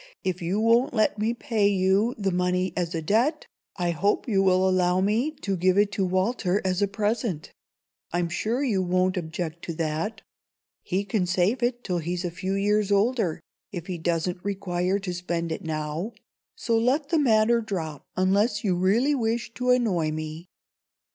"If you won't let me pay you the money as a debt, I hope you will allow me to give it to Walter as a present. I'm sure you won't object to that. He can save it till he's a few years older, if he doesn't require to spend it now; so let the matter drop, unless you really wish to annoy me."